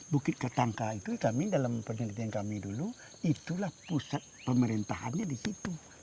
bukit ketangka itu kami dalam penelitian kami dulu itulah pusat pemerintahannya di situ